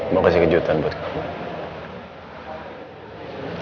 mau kasih kejutan buat kamu